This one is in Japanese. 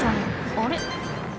あれ？